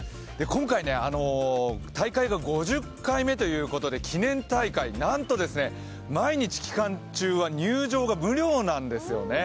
今回、大会が５０回目ということで記念大会、なんと毎日、期間中は入場が無料なんですね。